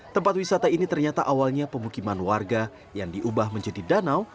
tempat wisata ini ternyata awalnya pemukiman warga yang diubah menjadi danau